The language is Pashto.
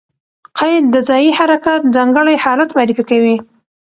قید د ځایي حرکت ځانګړی حالت معرفي کوي.